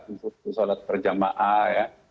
untuk solat perjamaah ya